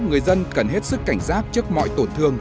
người dân cần hết sức cảnh giác trước mọi tổn thương